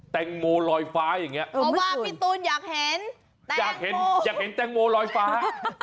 แตงโมลอยฟ้าอย่างนี้เพราะว่าพี่ตูนอยากเห็นอยากเห็นอยากเห็นแตงโมลอยฟ้า